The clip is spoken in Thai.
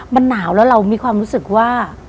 มันหนาวแล้วเรามีความรู้สึกว่า